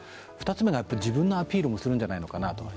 ２つ目が自分のアピールもするんじゃないかと。